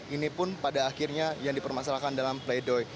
ini pun pada akhirnya yang dipermasalahkan dalam pleidoy